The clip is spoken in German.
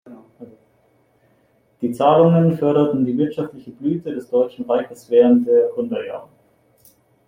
Die Zahlungen förderten die wirtschaftliche Blüte des Deutschen Reiches während der Gründerjahre.